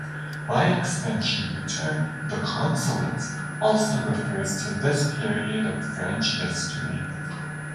By extension, the term "The Consulate" also refers to this period of French history.